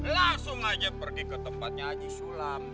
langsung aja pergi ke tempatnya haji sulam